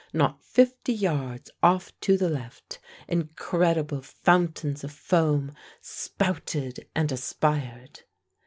Not fifty yards off to the left, incredible fountains of foam spouted and aspired.